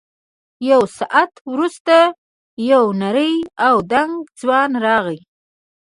یو ساعت وروسته یو نری او دنګ ځوان راغی.